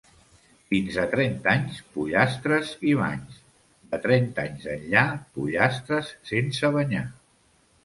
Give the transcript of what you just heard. Fins a trenta anys, pollastres i banys: de trenta anys enllà, pollastres sense banyar.